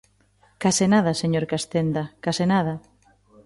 ¡Case nada, señor Castenda!, case nada.